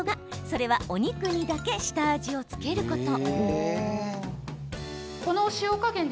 それは、お肉にだけ下味を付けること。